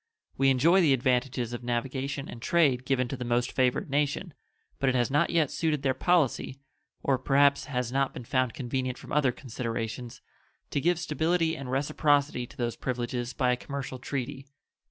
We enjoy the advantages of navigation and trade given to the most favored nation, but it has not yet suited their policy, or perhaps has not been found convenient from other considerations, to give stability and reciprocity to those privileges by a commercial treaty.